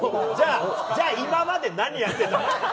じゃあ今まで何やってたんだよ。